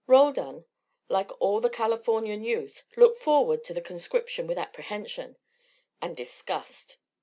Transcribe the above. Roldan, like all the Californian youth, looked forward to the conscription with apprehension and disgust.